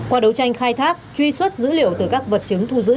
qua đấu tranh khai thác truy xuất dữ liệu từ các vật chứng